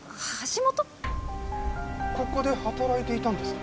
ここで働いていたんですか？